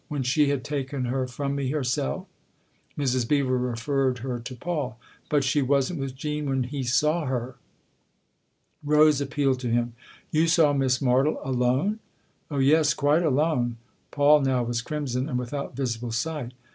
" When she had taken her from me herself ?" Mrs. Beever referred her to Paul. " But she wasn't with Jean when he saw her !" Rose appealed to him. " You saw Miss Martle alone ?" "Oh yes, quite alone." Paul now was crimson and without visible sight.